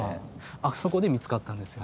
あそこで見つかったんですよ。